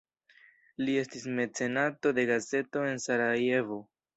Li estis mecenato de gazeto en Sarajevo.